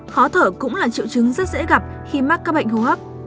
khó thở cũng là triệu chứng rất dễ gặp khi mắc các bệnh hô hấp